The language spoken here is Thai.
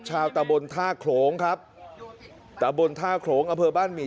ตะบนท่าโขลงครับตะบนท่าโขลงอำเภอบ้านหมี่